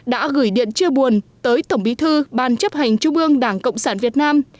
đã gửi điện chia buồn tới tổng bí thư ban chấp hành trung ương đảng cộng sản việt nam